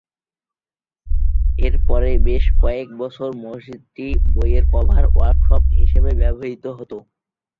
এর পরে বেশ কয়েক বছর মসজিদটি বইয়ের কভার ওয়ার্কশপ হিসাবে ব্যবহৃত হত।